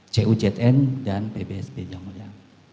cucn dan pbsb yang mulia